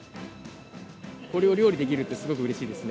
これを料理できるってすごくうれしいですね。